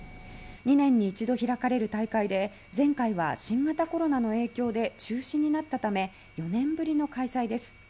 ２年に一度開かれる大会で前回は新型コロナの影響で中止になったため４年ぶりの開催です。